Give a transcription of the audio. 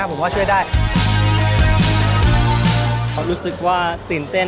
การแชร์ประสบการณ์